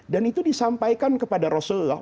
dan itu disampaikan kepada rasulullah